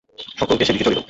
সকলে সেই দিকে চলিল।